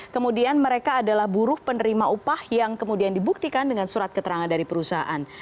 kemudian mereka adalah buruh penerima upah yang kemudian dibuktikan dengan surat keterangan dari perusahaan